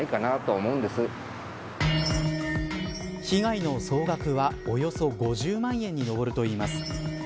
被害の総額はおよそ５０万円に上るといいます。